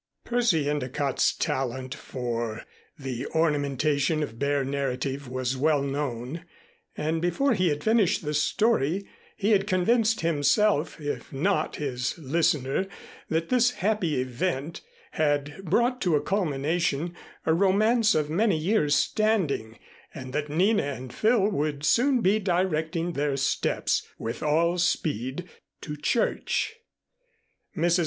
Percy Endicott's talent for the ornamentation of bare narrative was well known and before he had finished the story he had convinced himself, if not his listener, that this happy event had brought to a culmination a romance of many years' standing and that Nina and Phil would soon be directing their steps, with all speed, to church. Mrs.